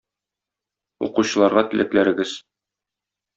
Укучыларга теләкләрегез?